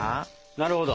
なるほど。